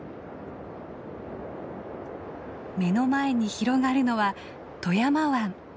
目の前に広がるのは富山湾。